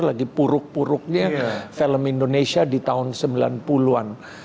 lagi puruk puruknya film indonesia di tahun sembilan puluh an